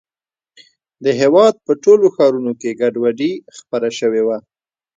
د هېواد په ټولو ښارونو کې ګډوډي خپره شوې وه.